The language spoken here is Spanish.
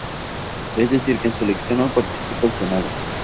Es decir que en su elección no participa el Senado.